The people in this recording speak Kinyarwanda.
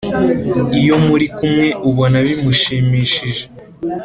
iyo muri kumwe ubona bimushimishije .